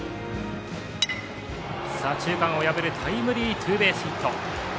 左中間を破るタイムリーベースヒット。